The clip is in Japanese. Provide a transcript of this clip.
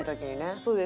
そうです。